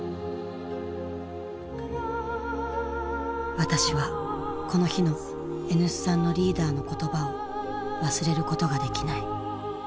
私はこの日のＮ産のリーダーの言葉を忘れることができない。